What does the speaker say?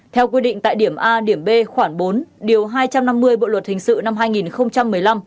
theo quy định tại điểm a điểm b khoảng bốn điều hai trăm năm mươi bộ luật hình sự năm hai nghìn một mươi năm